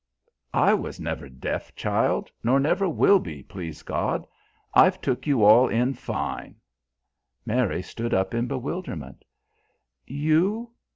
"I was never deaf, child, nor never will be, please God. I've took you all in fine." Mary stood up in bewilderment. "You?